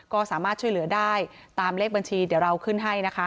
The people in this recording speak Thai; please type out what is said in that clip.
ก็สามารถช่วยเหลือได้ตามเลขบัญชีเดี๋ยวเราขึ้นให้นะคะ